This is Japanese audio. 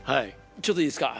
ちょっといいですか。